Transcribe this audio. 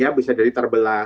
ya bisa jadi terbelah